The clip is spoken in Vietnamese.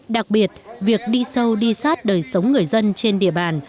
đặc biệt việc đi sâu đi sát đời sống người dân trên địa bàn